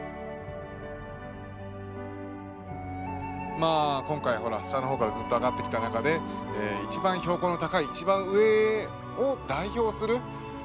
まあ今回下の方からずっと上がってきた中で一番標高の高い一番上を代表する植物ということになりますね。